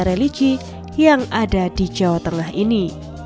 religi yang ada di jawa tengah ini